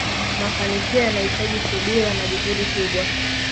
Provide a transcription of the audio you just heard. mafanikio yanahitaji subira na juhudi kubwa